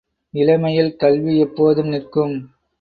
இளமையில் கல்வி எப்போதும் நிற்கும்.